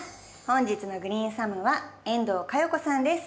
本日のグリーンサムは遠藤佳代子さんです。